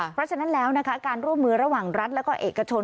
เพราะฉะนั้นแล้วนะคะการร่วมมือระหว่างรัฐและก็เอกชน